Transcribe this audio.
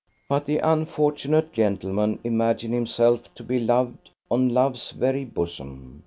But the unfortunate gentleman imagined himself to be loved, on Love's very bosom.